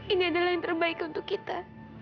ini adalah yang terbaik untuk kita